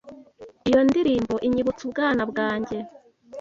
Iyo ndirimbo inyibutsa ubwana bwanjye.